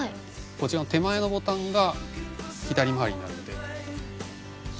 こちらの手前のボタンが左回りになるので。